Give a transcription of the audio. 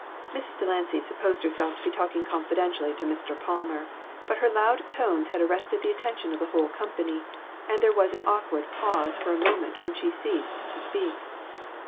Mrs. Delancy supposed herself to be talking 326 FANATICISM. confidentially to Mr. Palmer, but her loud tones had arrested the attention of the whole company, and there was an awkward pause for a moment when she ceased to speak.